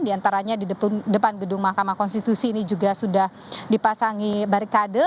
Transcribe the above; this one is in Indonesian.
diantaranya di depan gedung makamah konstitusi ini juga sudah dipasangi barikade